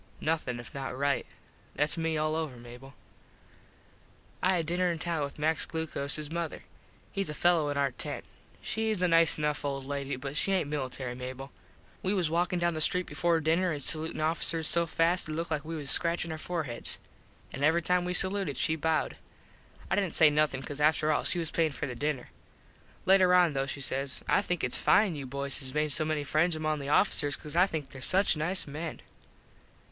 Nothin if not right. Thats me all over, Mable. I had dinner in town with Max Glocoses mother. Hes a fello in our tent. Shes a nice enough old lady but she aint military, Mable. We was walkin down the street before dinner an salutin officers so fast it looked like we was scratchin our forheds. An every time we saluted she bowed. I didnt say nothin cause after all she was payin for the dinner. Later on though she says. "I think its fine you boys has made so many friends among the officers cause I think there such nice men."